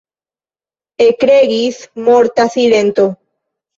Ekregis morta silento.